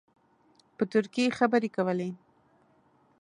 په ترکي خبرې کولې.